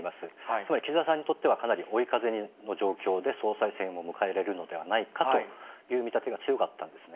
つまり、岸田さんにとってはかなり追い風の状況で、総裁選を迎えられるのではないかという見立てが強かったんですね。